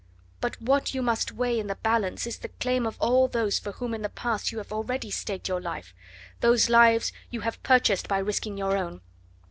But what you must weigh in the balance is the claim of all those for whom in the past you have already staked your life, whose lives you have purchased by risking your own.